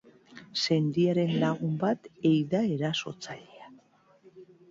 Sendiaren lagun bat ei da erasotzailea.